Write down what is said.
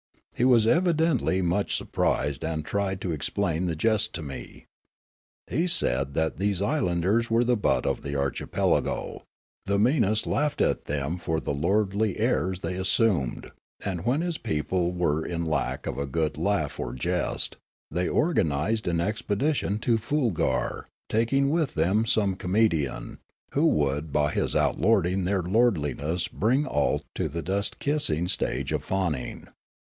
He was evidently much surprised and tried to explain the jest to me. He said that these islanders were the butt of the archipelago ; 2^6 Riallaro the meanest laughed at them for the lordl}'' airs they assumed, and when his people were in lack of a good laugh or jest, they organised an expedilion to Foolgar, taking with them some comedian, who would by his outlording their lordliness bring all to the dust kissing stage of fawning.